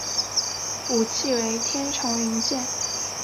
武器为天丛云剑。